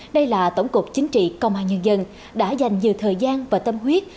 đây là tổng cục chính trị công an nhân dân đã dành nhiều thời gian và tâm huyết